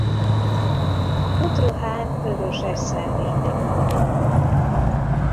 Potrohán vöröses szelvénynek vannak.